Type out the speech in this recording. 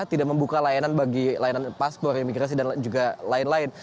tidak membuka layanan bagi layanan paspor imigrasi dan juga lain lain